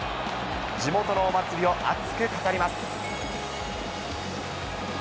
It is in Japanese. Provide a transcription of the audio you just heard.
地元のお祭りを熱く語ります。